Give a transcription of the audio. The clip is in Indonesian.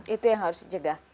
itu yang harus dijegah